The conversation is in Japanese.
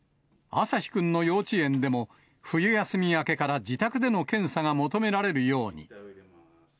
朝陽くんの幼稚園でも、冬休み明けから自宅での検査が求められるように。